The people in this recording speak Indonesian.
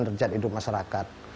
dan kerja hidup masyarakat